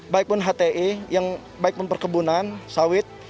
baikpun hti baikpun perkebunan sawit